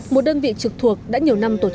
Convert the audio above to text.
một đơn vị trực thuộc đã nhiều năm tổ chức